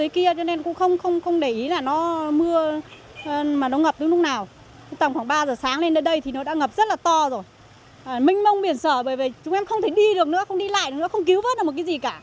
khoảng ba giờ sáng lên đến đây thì nó đã ngập rất là to rồi minh mông biển sở bởi vì chúng em không thể đi được nữa không đi lại nữa không cứu vớt được một cái gì cả